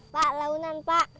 pak launan pak